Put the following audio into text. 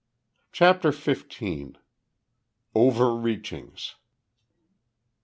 CHAPTER FIFTEEN. OVERREACHINGS.